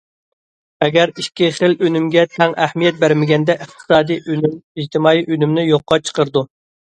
ئەگەر ئىككى خىل ئۈنۈمگە تەڭ ئەھمىيەت بەرمىگەندە، ئىقتىسادىي ئۈنۈم ئىجتىمائىي ئۈنۈمنى يوققا چىقىرىدۇ.